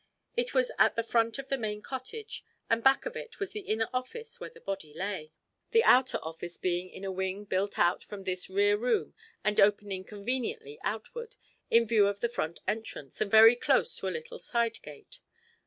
It was at the front of the main cottage, and back of it was the inner office where the body lay, the outer office being in a wing built out from this rear room and opening conveniently outward, in view of the front entrance, and very close to a little side gate.